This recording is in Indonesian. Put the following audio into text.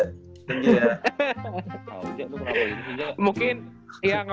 tidak ada aja lu boleh keluar aja